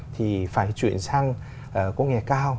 thì phải chuyển sang công nghệ cao